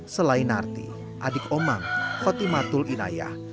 selain arti adik omang khotimartul inayah